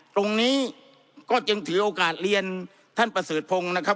ตรงนี้ก็จึงถือโอกาสเรียนท่านประเสริฐพงศ์นะครับ